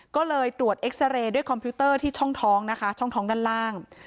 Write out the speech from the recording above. ก็เลยตรวจเอ็กซาเรย์ด้วยคอมพิวเตอร์ที่ช่องท้องนะคะช่องท้องด้านล่าง